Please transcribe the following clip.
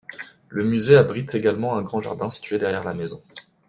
Le musée abrite également un grand jardin situé derrière la maison.